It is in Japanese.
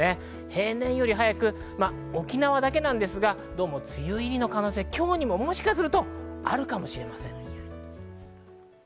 平年より早く、沖縄だけですが梅雨入りの可能性、今日にももしかするとあるかもしれません。